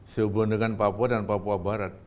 sehubungan dengan papua dan papua barat